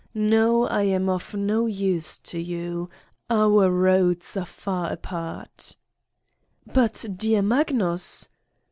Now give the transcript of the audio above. No, 60 Satan's Diary am of no use to you. Our roads are far apart." "But, dear Magnus!